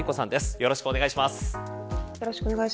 よろしくお願いします。